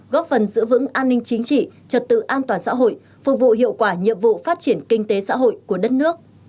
góp phần giữ vững an ninh chính trị trật tự an toàn xã hội phục vụ hiệu quả nhiệm vụ phát triển kinh tế xã hội của đất nước